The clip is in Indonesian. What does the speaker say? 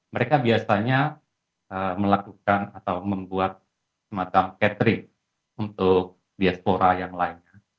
mereka biasanya melakukan atau membuat semacam catering untuk diaspora yang lainnya